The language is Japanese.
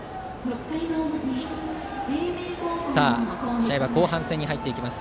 試合は後半戦に入っていきます。